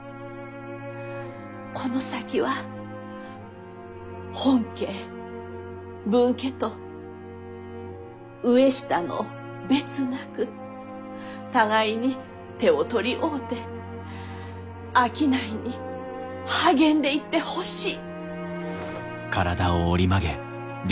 この先は本家分家と上下の別なく互いに手を取り合うて商いに励んでいってほしい！